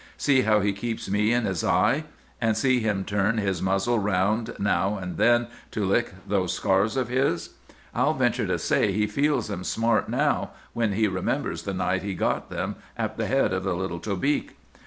See how he keeps me in his eye! And see him turn his muzzle round now and then to lick those scars of his. I'll venture to say he feels them smart now, when he remembers the night he got them at the head of the Little Tobique.